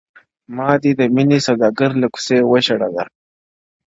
ما دي د میني سوداګر له کوڅې وشړله-